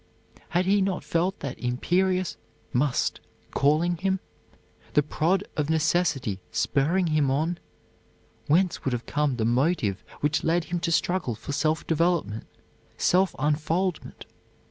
Had he not felt that imperious "must" calling him, the prod of necessity spurring him on, whence would have come the motive which led him to struggle for self development, self unfoldment?